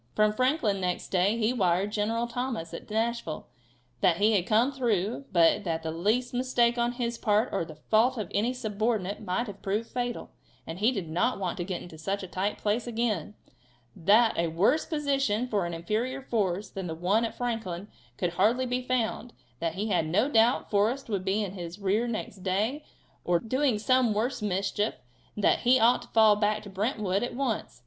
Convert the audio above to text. From Franklin next day he wired General Thomas at Nashville that he had come through, but that the least mistake on his part, or the fault of any subordinate, might have proved fatal, and he did not want to get into such a tight place again; that a worse position for an inferior force than the one at Franklin could hardly be found; that he had no doubt Forrest would be in his rear next day, or doing some worse mischief, and that he ought to fall back to Brentwood at once.